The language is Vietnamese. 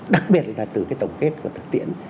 đặc biệt là từ cái tổng kết của thực tiễn